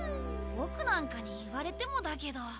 ボクなんかに言われてもだけど。